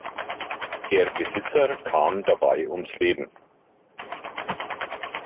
Der Besitzer kam dabei ums Leben.